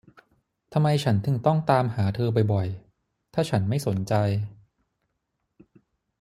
ทำไมฉันถึงต้องตามหาเธอบ่อย ๆ ถ้าฉันไม่สนใจ